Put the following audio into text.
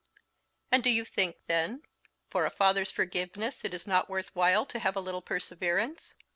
"And do you think, then, for a father's forgiveness it is not worth while to have a little perseverance?"